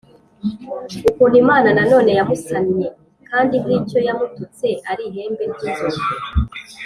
ukuntu Imana nanone yamusannye kandi nk' icyo yamututse ari ihembe ry' inzovu